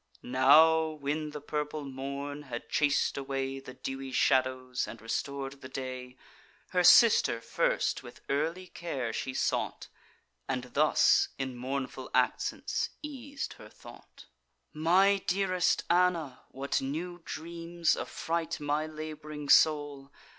Now, when the purple morn had chas'd away The dewy shadows, and restor'd the day, Her sister first with early care she sought, And thus in mournful accents eas'd her thought: "My dearest Anna, what new dreams affright My lab'ring soul!